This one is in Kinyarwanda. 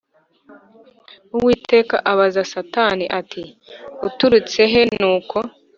Uwiteka abaza Satani ati Uturutse he Nuko